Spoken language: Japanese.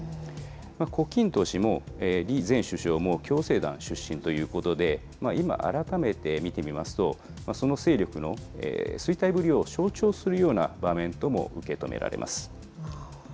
胡錦涛氏も李前首相も共青団出身ということで、いま改めて見てみますと、その勢力の衰退ぶりを象徴するような場面とも受け止められます。